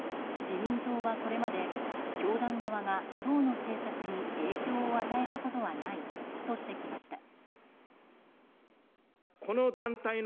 自民党はこれまで、教団側が党の政策に影響を与えたことはないとしてきました。